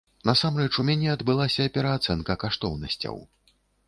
Насамрэч, у мяне адбылася пераацэнка каштоўнасцяў.